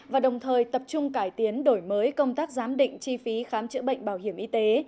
và đồng thời tập trung cải tiến đổi mới công tác giám định chi phí khám chữa bệnh bảo hiểm y tế